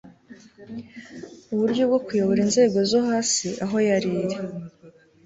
uburyo bwo kuyobora inzego zo hasi aho yariri